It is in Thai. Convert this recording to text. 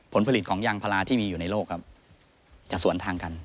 ผลผลิตของยางพาราที่มีอยู่ในโลกครับจะสวนทางกัน